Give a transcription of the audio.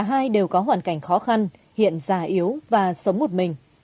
hai đều có hoàn cảnh khó khăn hiện già yếu và sống một mình